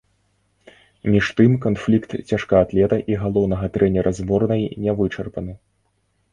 Між тым канфлікт цяжкаатлета і галоўнага трэнера зборнай не вычарпаны.